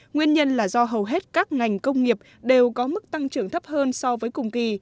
nguyên nhân là do hầu hết các ngành công nghiệp đều có mức tăng trưởng thấp hơn so với cùng kỳ